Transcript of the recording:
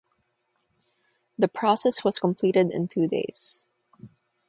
The process was completed in two days.